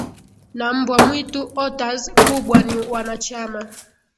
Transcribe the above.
na mbwa mwitu otters kubwa ni wanachama